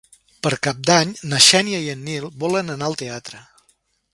Per Cap d'Any na Xènia i en Nil volen anar al teatre.